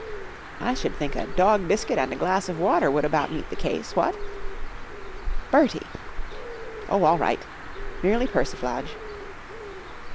" I should think a dog biscuit and a glass of water would about meet the case, what ?"" Bertie !"" Oh, all right. Merely persiflage."